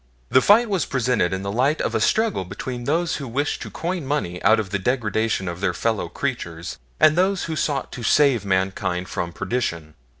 The fight was presented in the light of a struggle between those who wished to coin money out of the degradation of their fellow creatures and those who sought to save mankind from perdition.